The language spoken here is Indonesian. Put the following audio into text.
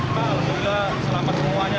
alhamdulillah selamat semuanya